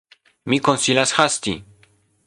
Mi konsilas hasti.